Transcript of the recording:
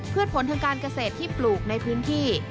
ผลทางการเกษตรที่ปลูกในพื้นที่